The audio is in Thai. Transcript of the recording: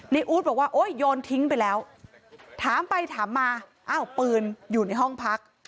อู๊ดบอกว่าโอ๊ยโยนทิ้งไปแล้วถามไปถามมาอ้าวปืนอยู่ในห้องพัก